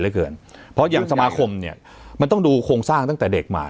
เหลือเกินเพราะอย่างสมาคมเนี่ยมันต้องดูโครงสร้างตั้งแต่เด็กมา